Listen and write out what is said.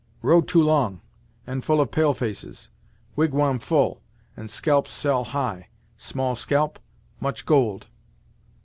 "Road too long, and full of pale faces. Wigwam full, and scalps sell high. Small scalp, much gold."